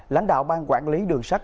lãnh đạo bang quản lý đường sát